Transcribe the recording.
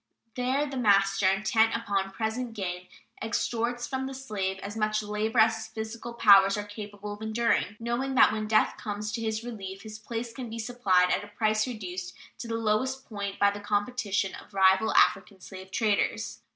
There the master, intent upon present gain, extorts from the slave as much labor as his physical powers are capable of enduring, knowing that when death comes to his relief his place can be supplied at a price reduced to the lowest point by the competition of rival African slave traders.